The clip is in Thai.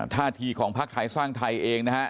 ท่าทีของพักไทยสร้างไทยเองนะฮะ